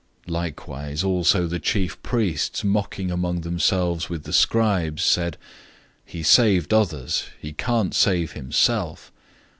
015:031 Likewise, also the chief priests mocking among themselves with the scribes said, "He saved others. He can't save himself.